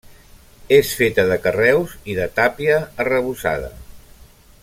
És feta de carreus i de tàpia arrebossada.